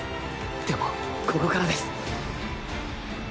でもここからです